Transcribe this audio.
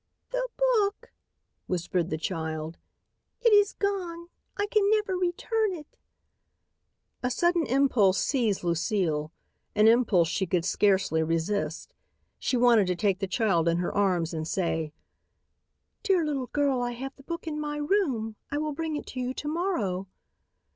"The book," whispered the child; "it is gone. I can never return it." A sudden impulse seized Lucile, an impulse she could scarcely resist. She wanted to take the child in her arms and say: "Dear little girl, I have the book in my room. I will bring it to you to morrow."